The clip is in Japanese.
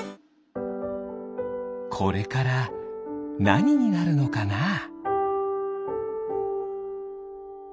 これからなにになるのかな。